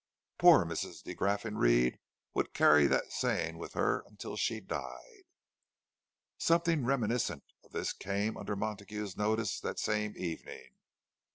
_" Poor Mrs. de Graffenried would carry that saying with her until she died. Something reminiscent of this came under Montague's notice that same evening.